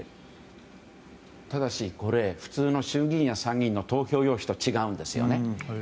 ただしこれ普通の衆議院や参議院の投票用紙とは違うんですね。